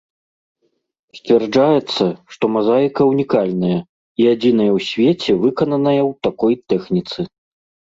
Сцвярджаецца, што мазаіка ўнікальная і адзіная ў свеце, выкананая ў такой тэхніцы.